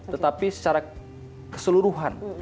tetapi secara keseluruhan